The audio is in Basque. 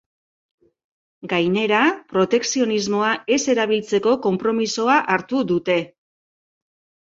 Gainera, protekzionismoa ez erabiltzeko konpromisoa hartu dute.